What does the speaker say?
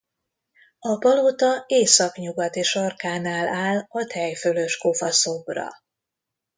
A palota északnyugati sarkánál áll a Tejfölöskofa-szobra.